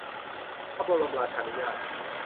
พระบรมราชานุญาต